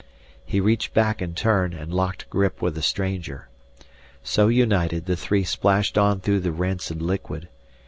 He reached back in turn and locked grip with the stranger. So united the three splashed on through the rancid liquid.